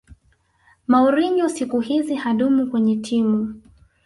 mourinho siku hizi hadumu kwenye timu